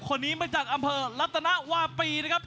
คนนี้มาจากอำเภอรัตนวาปีนะครับ